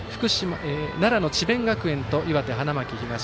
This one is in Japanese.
奈良の智弁学園と岩手、花巻東。